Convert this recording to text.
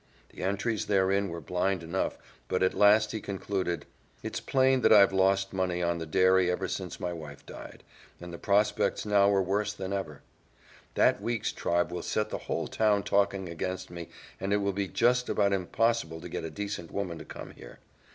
The entries therein were blind enough, but at last he concluded, "It's plain that I've lost money on the dairy ever since my wife died, and the prospects now are worse than ever. That Weeks tribe will set the whole town talking against me and it will be just about impossible to get a decent woman to come here.